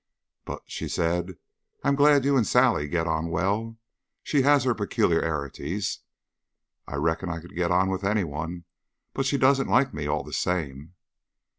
But she said, "I am glad you and Sally get on well. She has her peculiarities." "I reckon I could get on with any one; but she doesn't like me, all the same."